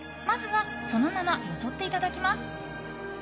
まずはそのままよそっていただきます。